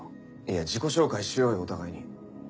いや自己紹介しようよお互いに。